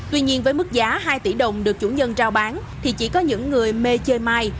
tuy nhiên với mức giá hai tỷ đồng được chủ nhân trao bán thì chỉ có những người mê chơi mai